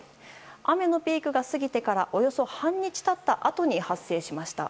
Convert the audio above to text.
雨のピークが過ぎてからおよそ半日経ったあとに発生しました。